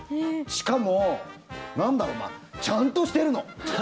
しかも、なんだろうなちゃんとしてるの！